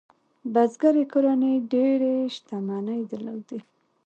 بزګري کورنۍ ډېرې شتمنۍ درلودې.